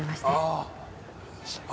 ああ。